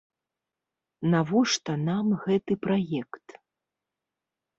Навошта нам гэты праект?